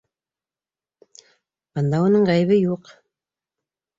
Бында уның ғәйебе юҡ...